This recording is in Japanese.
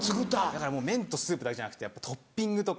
だから麺とスープだけじゃなくてやっぱトッピングとか。